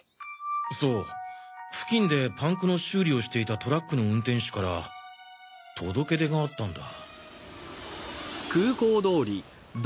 そう付近でパンクの修理をしていたトラックの運転手から届け出があったんだ。